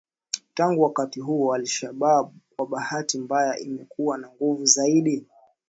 Tangu wakati huo al Shabab kwa bahati mbaya imekuwa na nguvu zaidi